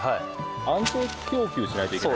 安定供給しないといけない？